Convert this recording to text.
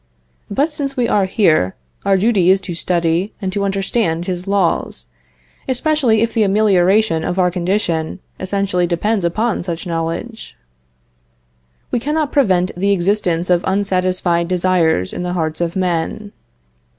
But, since we are here, our duty is to study and to understand His laws, especially if the amelioration of our condition essentially depends upon such knowledge. We cannot prevent the existence of unsatisfied desires in the hearts of men.